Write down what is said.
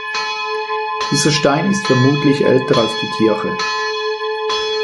Dieser Stein ist vermutlich älter als die Kirche.